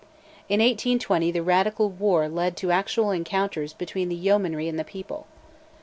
In 1820 "the Radical war" led to actual encounters between the yeomanry and the people.